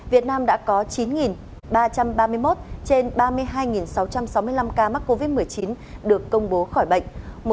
việt nam đã có chín ba trăm ba mươi một trên ba mươi hai sáu trăm sáu mươi năm ca mắc covid một mươi chín được công bố khỏi bệnh